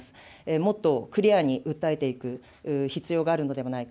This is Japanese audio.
もっとクリアに訴えていく必要があるのではないか。